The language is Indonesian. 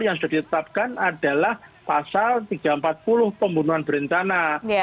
yang sudah ditetapkan adalah pasal tiga ratus empat puluh pembunuhan berencana